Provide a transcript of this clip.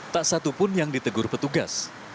tak satu pun yang ditegur petugas